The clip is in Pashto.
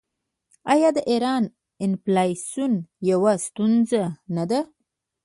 آیا د ایران انفلاسیون یوه ستونزه نه ده؟